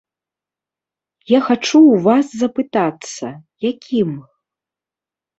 Я хачу ў вас запытацца, якім?